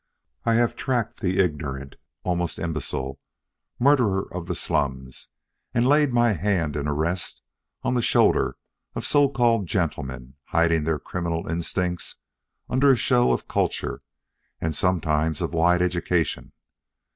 I have tracked the ignorant, almost imbecile, murderer of the slums, and laid my hand in arrest on the shoulder of so called gentlemen hiding their criminal instincts under a show of culture and sometimes of wide education.